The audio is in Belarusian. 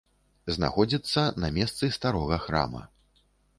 Знаходзіцца на месцы старога храма.